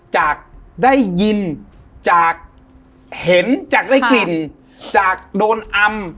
จากได้ยินจากเห็นจากได้กลิ่นจากโดนอำ